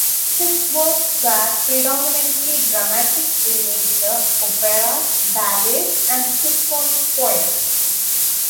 His works were predominantly dramatic in nature: operas, ballets, and symphonic poems.